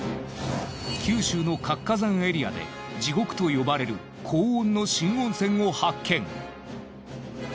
九州の活火山エリアで地獄と呼ばれる高温の新温泉を発見。